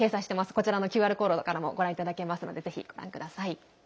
こちらのＱＲコードからもご覧いただけますのでぜひ、ご覧ください。